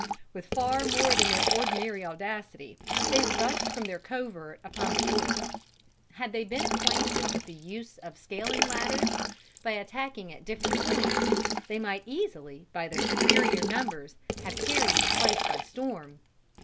With far more than their ordinary audacity, they rushed from their covert upon the fort. Had they been acquainted with the use of scaling ladders, by attacking at different points, they might easily, by their superior numbers, have carried the place by storm.